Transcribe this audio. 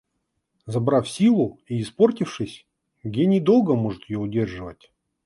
Забрав силу и испортившись, гений долго может ее удерживать.